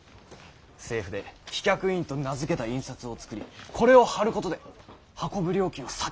政府で「飛脚印」と名付けた印刷を作りこれを貼ることで運ぶ料金を先に納めるんだ。